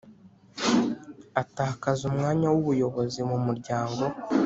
Atakaza umwanya w ubuyobozi mu Muryango